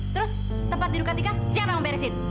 terus tempat tidur katika siapa mau beresin